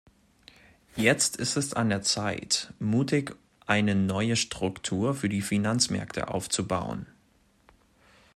Jetzt ist es an der Zeit, mutig eine neue Struktur für die Finanzmärkte aufzubauen.